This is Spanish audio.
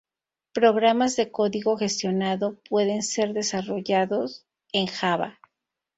Programas de código gestionado pueden ser desarrollados en Java.